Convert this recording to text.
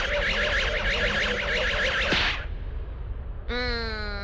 うん。